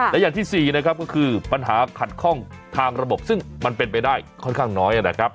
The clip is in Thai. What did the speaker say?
และอย่างที่๔นะครับก็คือปัญหาขัดข้องทางระบบซึ่งมันเป็นไปได้ค่อนข้างน้อยนะครับ